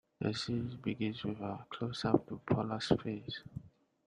The scene begins with a closeup to Paula's face.